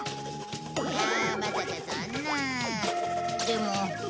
でも。